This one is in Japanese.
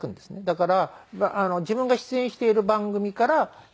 だから自分が出演している番組から１本いくらで。